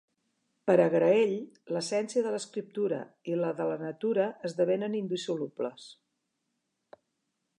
Per a Graell, l’essència de l’escriptura i la de la natura esdevenen indissolubles.